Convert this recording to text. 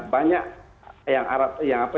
banyak yang arab